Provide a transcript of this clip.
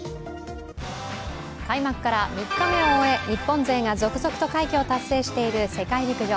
開幕から３日を終え、日本勢が続々と快挙を達成している世界陸上。